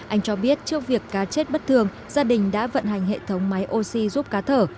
anh cho biết trước việc cá chết bất thường gia đình đã vận hành hệ thống máy oxy giúp cá thở